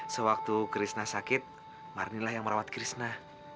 sewaktu krishna sakit marnilah yang merawat krishna